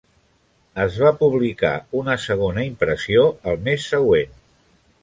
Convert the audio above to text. Es va publicar una segona impressió el mes següent.